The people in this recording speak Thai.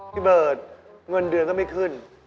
พี่เบิร์ตเงินเดือนก็ไม่ขึ้น